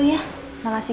tidak ada apa apa